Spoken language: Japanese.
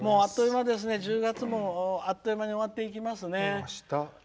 １０月もあっという間に終わっていきますね。